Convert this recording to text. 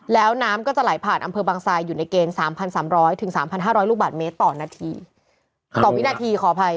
แล้วน้ำก็จะไหลผ่านอำเภอบางซายอยู่ในเกณฑ์๓๓๐๐๓๕๐๐ลูกบาทเมตรต่อนาทีต่อวินาทีขออภัย